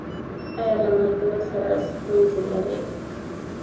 ایا له ملګرو سره ستونزې لرئ؟